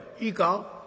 いいか？